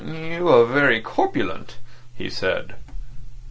"You are very corpulent," he said.